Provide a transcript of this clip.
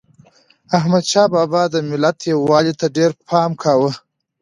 احمدشاه بابا د ملت یووالي ته ډېر پام کاوه.